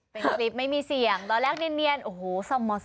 เป็นคลิปไม่มีเสียงร้องแลกเนียนโอโหสมศัลยุติ